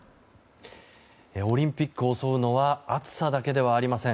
オリンピックを襲うのは暑さだけではありません。